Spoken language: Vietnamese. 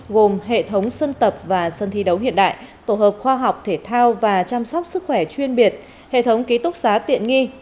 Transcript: gồm hệ thống sân tập và sân thi đấu hiện đại tổ hợp khoa học thể thao và chăm sóc sức khỏe chuyên biệt hệ thống ký túc xá tiện nghi